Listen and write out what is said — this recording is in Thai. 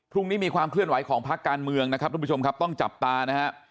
มีความเคลื่อนไหวของพักการเมืองนะครับทุกผู้ชมครับต้องจับตานะฮะ